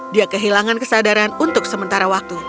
dia kehilangan kesadaran untuk sementara waktu